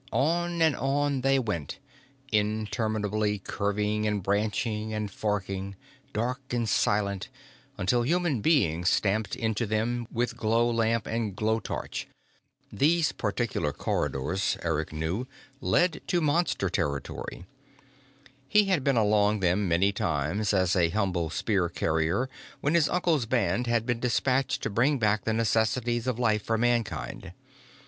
On and on they went, interminably curving and branching and forking, dark and silent, until human beings stamped into them with glow lamp and glow torch. These particular corridors, Eric knew, led to Monster territory. He had been along them many times as a humble spear carrier when his uncle's band had been dispatched to bring back the necessities of life for Mankind.